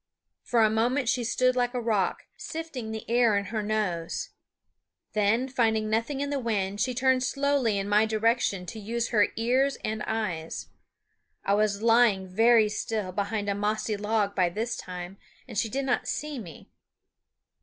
For a moment she stood like a rock, sifting the air in her nose; then, finding nothing in the wind, she turned slowly in my direction to use her ears and eyes. I was lying very still behind a mossy log by this time, and she did not see me.